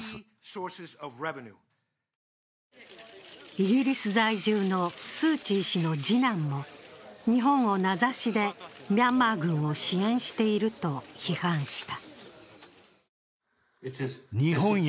イギリス在住のスー・チー氏の次男も日本を名指しで、ミャンマー軍を支援していると批判した。